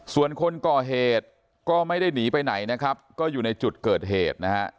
ส่วนคนก่อเหตุก็ไม่ได้หนีไปไหนนะครับก็อยู่ในจุดเกิดเหตุนะฮะ